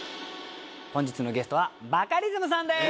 本日のゲストはバカリズムさんです！